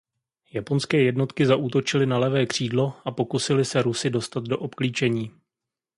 Japonské jednotky zaútočily na levé křídlo a pokusily se Rusy dostat do obklíčení.